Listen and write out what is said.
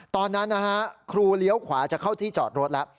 ตอนนั้นนะฮะครูเลี้ยวขวาจะเข้าที่จอดรถแล้ว